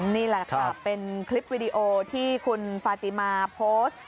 นี่แหละค่ะเป็นคลิปวิดีโอที่คุณฟาติมาโพสต์